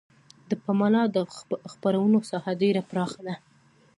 د پملا د خپرونو ساحه ډیره پراخه ده.